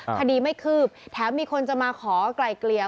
คดีไม่คืบแถมมีคนจะมาขอไกลเกลี่ย